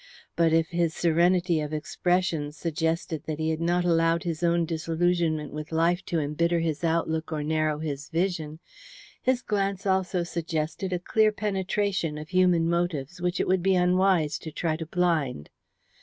But, if his serenity of expression suggested that he had not allowed his own disillusionment with life to embitter his outlook or narrow his vision, his glance also suggested a clear penetration of human motives which it would be unwise to try to blind.